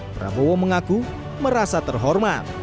prabowo mengaku merasa terhormat